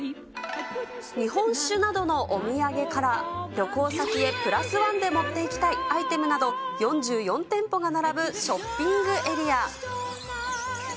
日本酒などのお土産から、旅行先へプラスワンで持っていきたいアイテムなど、４４店舗が並ぶショッピングエリア。